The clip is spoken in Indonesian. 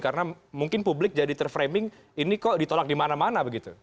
karena mungkin publik jadi terframing ini kok ditolak di mana mana begitu